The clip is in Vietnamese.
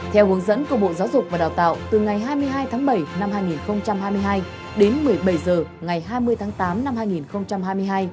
theo hướng dẫn của bộ giáo dục và đào tạo từ ngày hai mươi hai tháng bảy năm hai nghìn hai mươi hai đến một mươi bảy h ngày hai mươi tháng tám năm hai nghìn hai mươi hai